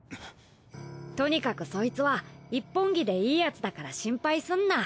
とにかくソイツは一本気でいいヤツだから心配すんな。